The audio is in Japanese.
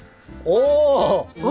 お！